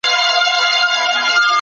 د غریبانو په مال کي خپل حق مه لټوئ.